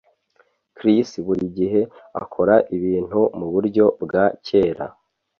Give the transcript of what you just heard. Chris buri gihe akora ibintu muburyo bwa kera